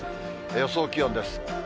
予想気温です。